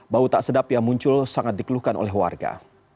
bau tak sedap yang muncul sangat dikeluhkan oleh warga